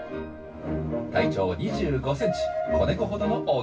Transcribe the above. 体長２５センチ子猫ほどの大きさです。